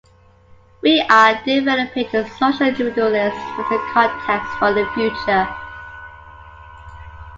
We are developing the social individualist meta-context for the future.